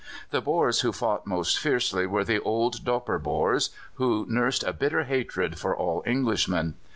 The Boers who fought most fiercely were the old Dopper Boers, who nursed a bitter hatred for all Englishmen.